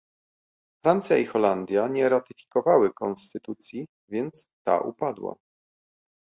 Francja i Holandia nie ratyfikowały konstytucji, więc ta upadła